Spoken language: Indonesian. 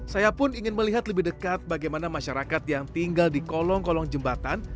saya pun ingin melihat lebih dekat bagaimana masyarakat yang tinggal di kolong kolong jembatan